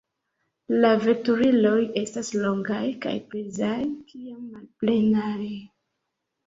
La veturiloj estas longaj, kaj pezaj kiam malplenaj.